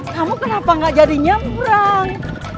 kamu kenapa gak jadi nyembrang